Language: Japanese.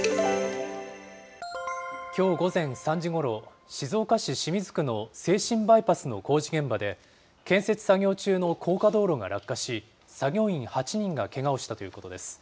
きょう午前３時ごろ、静岡市清水区の静清バイパスの工事現場で、建設作業中の高架道路が落下し、作業員８人がけがをしたということです。